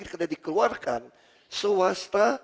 kita dikeluarkan swasta